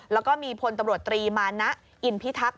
แล้วก็มีพลตำรวจตรีมานะอินพิทักษ